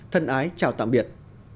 thân ái chào tạm biệt